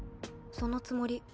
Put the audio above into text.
そのつもり。